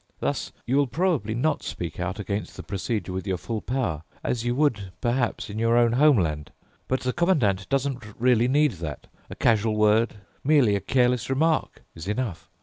Thus, you will probably not speak out against the procedure with your full power, as you would perhaps in your own homeland. But the Commandant doesn't really need that. A casual word, merely a careless remark, is enough.